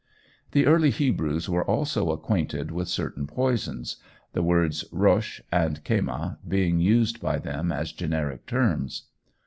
The early Hebrews were also acquainted with certain poisons, the words, "rosch" and "chema" being used by them as generic terms.